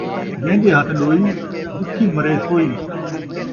جین٘دے ہتھ ݙوئی ، بکھی مرے سوئی